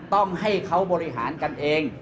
ต้องให้เขาบริหารกันเอง